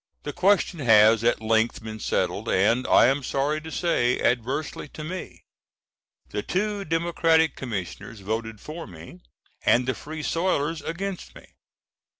The question has at length been settled, and I am sorry to say, adversely to me. The two Democratic Commissioners voted for me, and the Free Soilers against me.